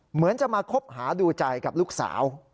เหมือนจะมาคบหาดูใจกับลูกสาว